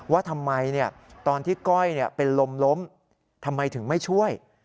ว่าทำไมตอนที่ก้อยเป็นลมล้มทำไมถึงไม่ช่วย